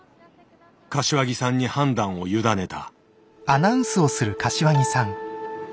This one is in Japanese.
柏木さんに判断を委ねた。